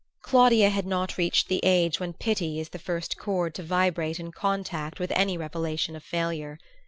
Claudia had not reached the age when pity is the first chord to vibrate in contact with any revelation of failure.